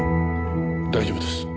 大丈夫です。